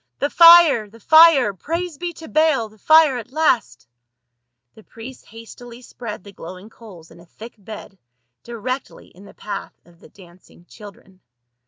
" The fire ! the fire ! Praise be to Baal, the fire at last !" The priests hastily spread the glowing coals in a thick bed directly in the path of the dancing children.